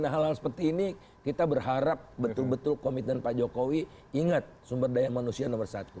hal hal seperti ini kita berharap betul betul komitmen pak jokowi ingat sumber daya manusia nomor satu